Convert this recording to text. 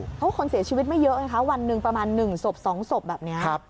เพราะว่าคนเสียชีวิตไม่เยอะไงคะวันหนึ่งประมาณ๑ศพ๒ศพแบบนี้